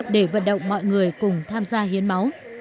để vận động mọi người cùng tham gia hiến máu